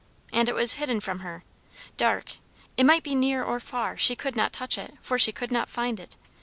And it was hidden from her; dark; it might be near or far, she could not touch it, for she could not find it.